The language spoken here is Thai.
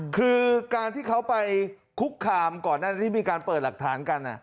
คือการที่เขาไปคุกคามก่อนหน้าที่มีการเปิดหลักฐานกัน